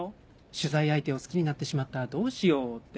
「取材相手を好きになってしまったどうしよう」って。